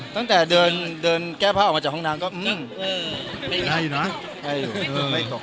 อ๋อตั้งแต่เดินแก้ผ้าออกมาจากห้องนางก็อื้มได้อยู่ไม่ตกไม่ตก